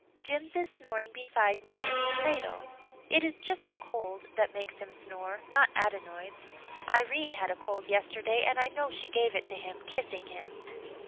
"Jims is snoring beside me in his cradle. It is just a cold that makes him snore not adenoids. Irene had a cold yesterday and I know she gave it to him, kissing him.